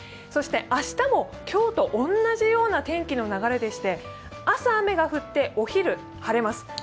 そして明日も今日と同じような天気の流れでして朝雨が降ってお昼、晴れます。